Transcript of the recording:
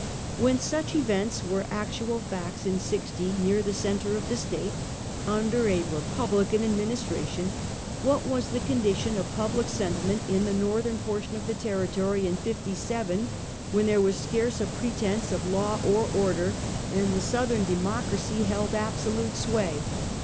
When such events were actual facts in '60, near the center of the State, under a Eepublican administration, what was the condition of public sentiment in the northern portion of the territory in '57, when there was scarce a pretense of law or order, and the South ern democracy held absolute sway?